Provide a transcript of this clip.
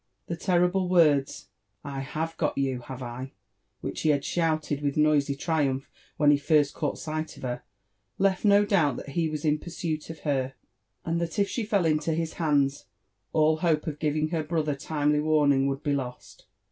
The terrible words, I have got you, have 1 1 " which he had shouted with noisy triumph when he first caught sight of her, left no doubt that he was in pursuit of her, and that if she fell into his hands, all hope of giving her brother timely warning would be lost.